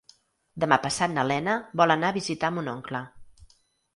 Demà passat na Lena vol anar a visitar mon oncle.